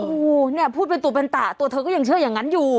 โอ้โหเนี่ยพูดเป็นตัวเป็นตะตัวเธอก็ยังเชื่ออย่างนั้นอยู่